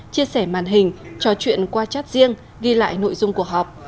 chia sẻ màn hình trò chuyện qua chat riêng ghi lại nội dung cuộc họp